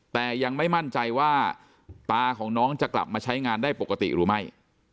แต่ยังไม่มั่นใจว่าตาของน้องจะกลับมาใช้งานได้ปกติหรือไม่